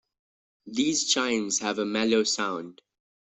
These chimes have a mellow sound.